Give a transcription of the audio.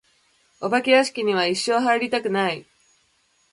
お化け屋敷には一生入りたくない。